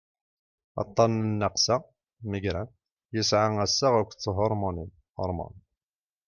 aṭṭan n nnaqsa migraine yesɛa assaɣ akked thurmunin hormones